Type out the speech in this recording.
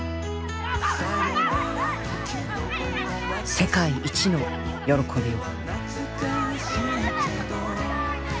世界一の喜びを。